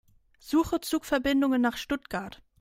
Suche Zugverbindungen nach Stuttgart.